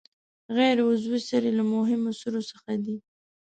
غیر عضوي سرې له مهمو سرو څخه دي.